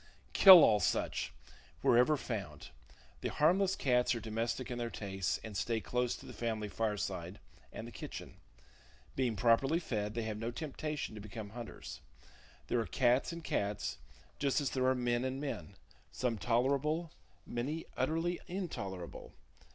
Kill all such, wherever found. The harmless cats are domestic in their tastes, and stay close to the family fireside and the kitchen. Being properly fed, they have no temptation to become hunters. There are cats and cats, just as there are men and men: some tolerable, many utterly intolerable.